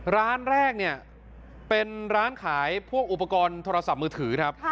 ร้านแรกเนี่ยเป็นร้านขายพวกอุปกรณ์โทรศัพท์มือถือครับ